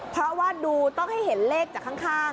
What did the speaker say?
เพราะว่าดูต้องให้เห็นเลขจากข้าง